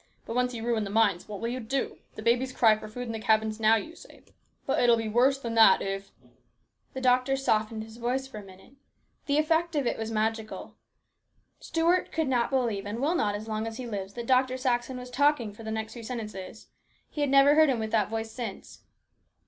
But once you ruin the mines, what will you do ? The babies cry for food in the cabins now, you say ; but it will be worse than that if " The doctor softened his voice for a minute. The effect of it was magical. Stuart could not believe, and will not as long as he lives, that Dr. Saxon was talking for the next few sentences. He has never heard him with that voice since.